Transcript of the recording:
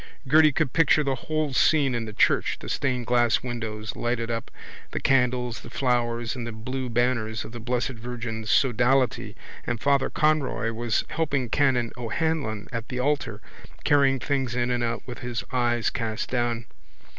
Gerty could picture the whole scene in the church, the stained glass windows lighted up, the candles, the flowers and the blue banners of the blessed Virgin's sodality and Father Conroy was helping Canon O'Hanlon at the altar, carrying things in and out with his eyes cast down.